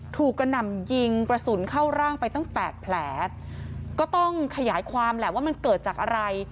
กระหน่ำยิงกระสุนเข้าร่างไปตั้งแปดแผลก็ต้องขยายความแหละว่ามันเกิดจากอะไร